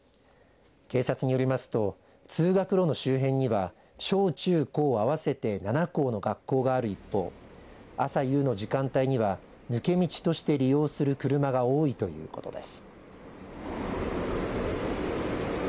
警察によりますと通学路の周辺には小中高合わせて７校の学校がある一方朝夕の時間帯には抜け道として利用する車が多いということです。